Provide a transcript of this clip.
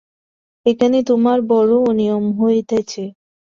এখানে তোমার বড়ো অনিয়ম হইতেছে।